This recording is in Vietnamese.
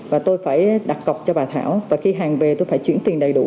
và tôi phải đặt cọc cho bà thảo và khi hàng về tôi phải chuyển tiền đầy đủ